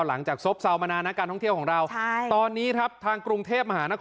ซบเซามานานนะการท่องเที่ยวของเราตอนนี้ครับทางกรุงเทพมหานคร